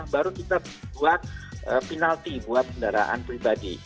baru kita buat penalti buat kendaraan pribadi